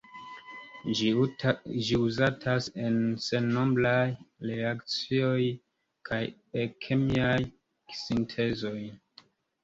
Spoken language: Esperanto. Ĝi uzatas en sennombraj reakcioj kaj en kemiaj sintezoj.